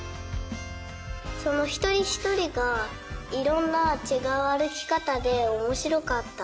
そのひとりひとりがいろんなちがうあるきかたでおもしろかった。